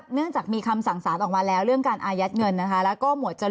นึกหลังจากที่เขาถอนเงินมั้ยคะ